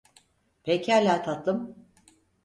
Pekala tatlım.